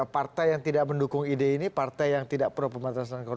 partai yang tidak mendukung ide ini partai yang tidak pro pemberantasan korupsi